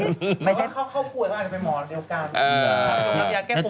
เขาปวดเขาอาจจะเป็นหมอเดียวกัน